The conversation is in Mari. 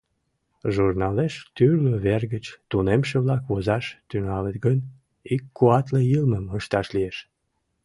Журналеш тӱрлӧ вер гыч тунемше-влак возаш тӱҥалыт гын, ик куатле йылмым ышташ лиеш.